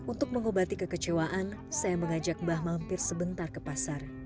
untuk mengobati kekecewaan saya mengajak mbah mampir sebentar ke pasar